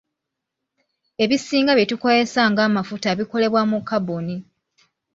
Ebisinga bye tukozesa ng'amafuta bikolebwa mu kaboni.